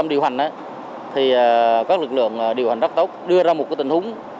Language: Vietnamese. điều hành rất tốt đưa ra một tình huống